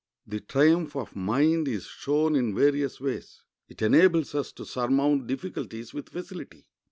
The triumph of mind is shown in various ways. It enables us to surmount difficulties with facility.